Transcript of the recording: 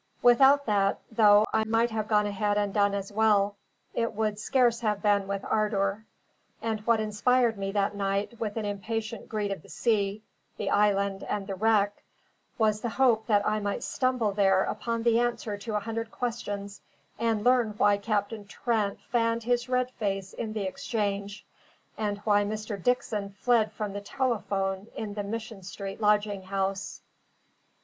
Without that, though I might have gone ahead and done as well, it would scarce have been with ardour; and what inspired me that night with an impatient greed of the sea, the island, and the wreck, was the hope that I might stumble there upon the answer to a hundred questions, and learn why Captain Trent fanned his red face in the exchange, and why Mr. Dickson fled from the telephone in the Mission Street lodging house.